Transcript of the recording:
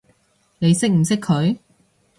你識唔識佢？